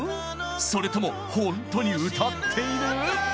それともホントに歌っている？